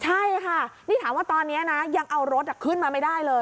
ใช่ค่ะนี่ถามว่าตอนนี้นะยังเอารถขึ้นมาไม่ได้เลย